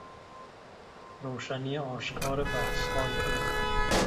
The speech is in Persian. روشنی آشکار بحثهای او